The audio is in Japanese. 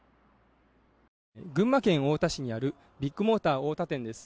群馬県太田市にあるビッグモーター太田店です。